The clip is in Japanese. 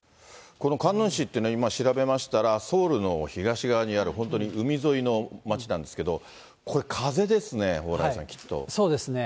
このカンヌン市っていうのは今、調べましたら、ソウルの東側にある、本当に海沿いの街なんですけれども、これ、そうですね。